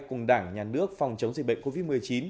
cùng đảng nhà nước phòng chống dịch bệnh covid một mươi chín